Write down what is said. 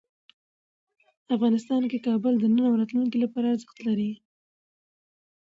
افغانستان کې کابل د نن او راتلونکي لپاره ارزښت لري.